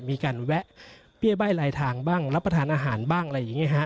มีการแวะเบี้ยใบ้ลายทางบ้างรับประทานอาหารบ้างอะไรอย่างนี้ฮะ